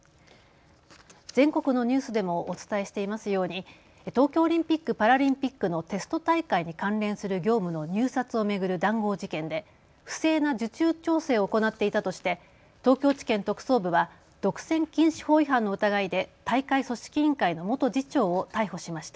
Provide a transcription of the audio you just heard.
全国のニュースでもお伝えしていますように東京オリンピック・パラリンピックのテスト大会に関連する業務の入札を巡る談合事件で不正な受注調整を行っていたとして東京地検特捜部は独占禁止法違反の疑いで大会組織委員会の元次長を逮捕しました。